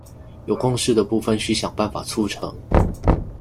有共識的部分須想辦法促成